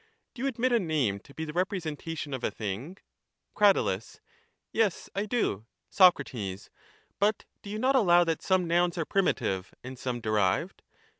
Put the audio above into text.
Do you admit a name to be the representation of a thing? Crat. Yes, I do. Soc. But do you not allow that some nouns are primitive, and some derived?